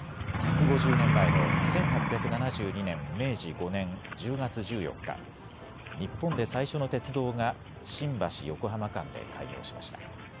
１５０年前の１８７２年、明治５年１０月１４日、日本で最初の鉄道が新橋・横浜間で開業しました。